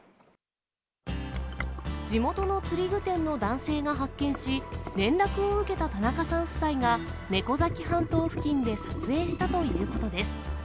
地元の釣具店の男性が発見し、連絡を受けた田中さん夫妻が、猫崎半島付近で撮影したということです。